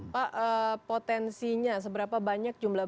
pak potensinya seberapa banyak jumlah